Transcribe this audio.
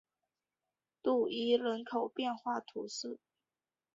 杜伊人口变化图示